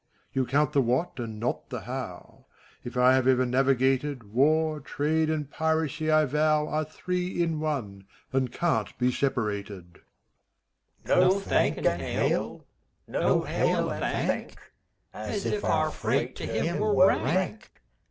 You count the What, and not the How: If I have ever navigated. War, Trade and Piracy, I vow. Are three in one, and can't be separated I THE THREE MIGHTY HEK. No thank and hail f No hail and thank? As if our freight To him were rank!